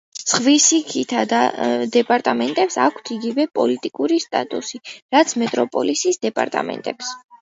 ზღვისიქითა დეპარტამენტებს აქვთ იგივე პოლიტიკური სტატუსი, რაც მეტროპოლიის დეპარტამენტებს.